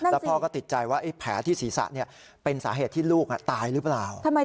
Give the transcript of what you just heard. แล้วพ่อก็ติดใจว่าแผลที่ศีรษะเป็นสาเหตุที่ลูกตายหรือเปล่า